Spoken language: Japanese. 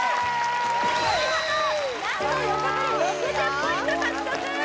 お見事何と横取り６０ポイント獲得